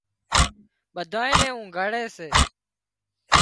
ٻڌانئين نين اونگھاڙي سي